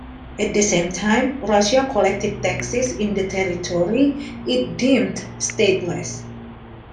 At the same time Russia collected taxes in the territory it deemed state-less.